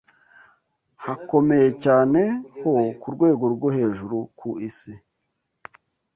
hakomeye cyane ho ku rwego rwo hejuru ku isi